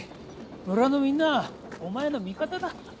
村のみんなお前の味方だ。